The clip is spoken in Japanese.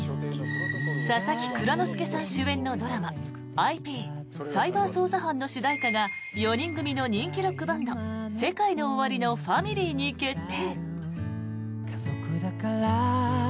佐々木蔵之介さん主演のドラマ「ＩＰサイバー捜査班」の主題歌が４人組の人気ロックバンドＳＥＫＡＩＮＯＯＷＡＲＩの「ｆａｍｉｌｙ」に決定。